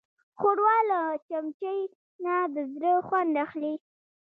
ښوروا له چمچۍ نه د زړه خوند اخلي.